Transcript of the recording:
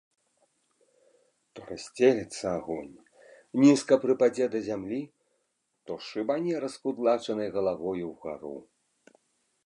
То рассцелецца агонь, нізка прыпадзе да зямлі, то шыбане раскудлачанай галавою ўгару.